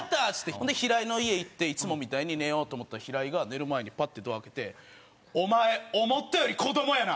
ほんで平井の家行っていつもみたいに寝ようと思ったら平井が寝る前にパッてドア開けて「お前思ったより子どもやな」。